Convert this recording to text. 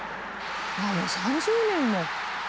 もう３０年も。